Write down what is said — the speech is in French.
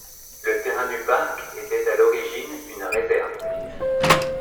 Le terrain du parc était à l'origine une réserve.